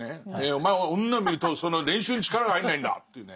「お前は女を見ると練習に力が入んないんだ」っていうね。